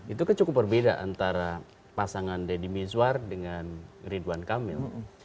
itu kan cukup berbeda antara pasangan deddy mizwar dengan ridwan kamil